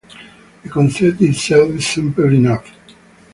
The concept itself is simple enough.